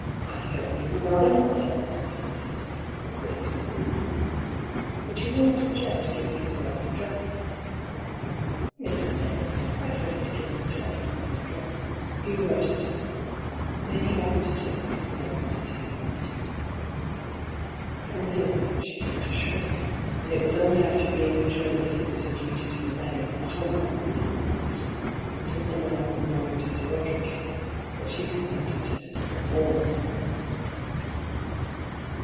" I certainly would rather not, sir," said Mrs. Naylor, briskly. "But you will not object to give me his brother's address ?" Mrs. Naylor being quite ready to give Mr. Edmund Pym's address, Hugh wrote it down. Then he offered to take Mrs. Naylor to see her master. From this she seemed to shrink; and it was only after being adjured that it was her duty to remain, at all events, in the hospital, until someone else belonging to Sir Roderick came — that she consented to visit the ward.